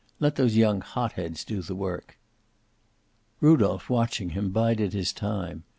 Let those young hot heads do the work. Rudolph, watching him, bided his time.